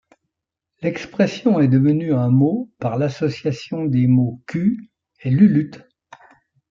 L'expression est devenu un mot, par l'association des mots cul et Lulutte.